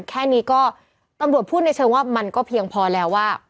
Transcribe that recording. แค่นี้ก็ตำรวจพูดในเชิงว่ามันก็เพียงพอแล้วว่า